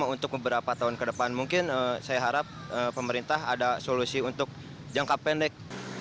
untuk jangka pendek